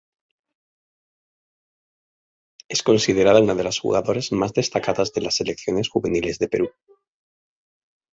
Es considerada una de las jugadoras más destacadas de las selecciones juveniles de Perú.